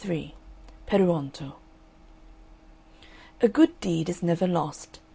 III PERUONTO A good deed is never lost.